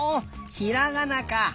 ひらがなか！